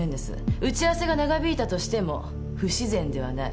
打ち合わせが長引いたとしても不自然ではない。